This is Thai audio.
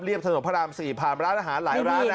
ถนนพระราม๔ผ่านร้านอาหารหลายร้าน